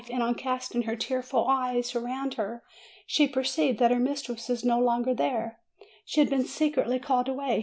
But on casting her tearful eyes round her, she per ceived that her mistress was no longer there; she had been secretly called away.